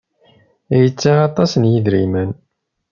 Yettaɣ aṭas n yidrimen.